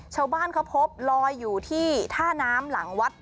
ชาวบ้านเขาพบลอยอยู่ที่ท่าน้ำหลังวัด